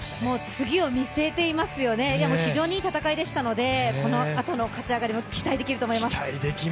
次を見据えていますよね、非常にいい戦いでしたのでこのあとの勝ち上がりも期待できると思います。